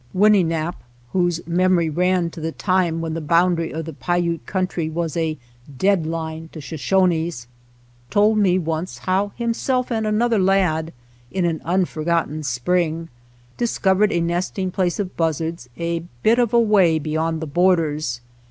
Winnenap', whose memory ran to the time when the boundary of the Paiute coun try was a dead line to Shoshones, told me once how himself and another lad, in an unforgotten spring, discovered a nesting place of buzzards a bit of a way beyond the borders.